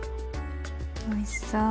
おいしそう！